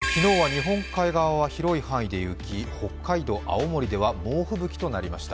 昨日は日本海側は広い範囲で雪、北海道、青森では猛吹雪となりました。